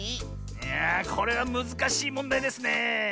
いやあこれはむずかしいもんだいですねえ。